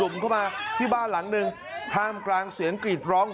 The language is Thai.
เข้ามาที่บ้านหลังหนึ่งท่ามกลางเสียงกรีดร้อง